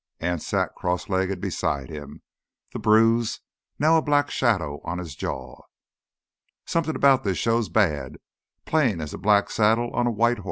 Anse sat crosslegged beside him, the bruise now a black shadow on his jaw. "Somethin' 'bout this show's bad, plain as a black saddle on a white hoss.